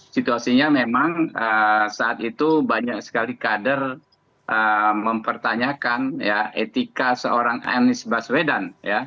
situasinya memang saat itu banyak sekali kader mempertanyakan etika seorang anies baswedan